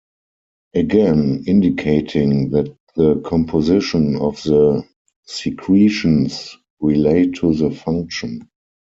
Again, indicating that the composition of the secretions relate to the function.